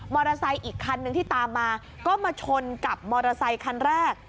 อีกคันนึงที่ตามมาก็มาชนกับมอเตอร์ไซคันแรก